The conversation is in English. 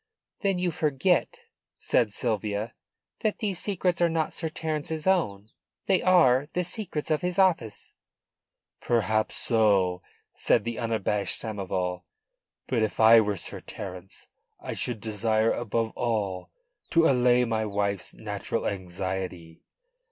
"Then you forget," said Sylvia, "that these secrets are not Sir Terence's own. They are the secrets of his office." "Perhaps so," said the unabashed Samoval. "But if I were Sir Terence I should desire above all to allay my wife's natural anxiety.